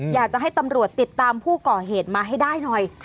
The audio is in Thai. อยากจะให้ตำรวจติดตามผู้ก่อเหตุมาให้ได้หน่อย